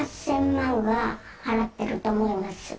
７、８０００万は払ってると思います。